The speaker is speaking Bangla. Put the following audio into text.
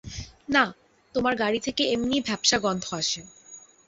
না, তোমার গাড়ি থেকে এমনিই ভ্যাপসা গন্ধ আসে।